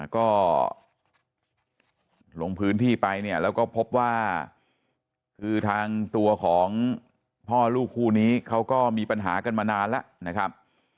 ก็ลงพื้นที่ไปเนี่ยแล้วก็พบว่าคือทางตัวของพ่อลูกคู่นี้เขาก็มีปัญหากันมานานแล้วนะครับ